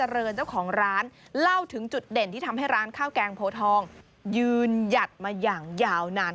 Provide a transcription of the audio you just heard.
เรินเจ้าของร้านเล่าถึงจุดเด่นที่ทำให้ร้านข้าวแกงโพทองยืนหยัดมาอย่างยาวนาน